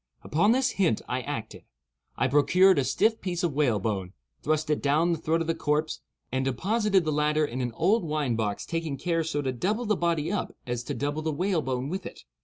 Upon this hint I acted. I procured a stiff piece of whalebone, thrust it down the throat of the corpse, and deposited the latter in an old wine box—taking care so to double the body up as to double the whalebone with it.